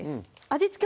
味付け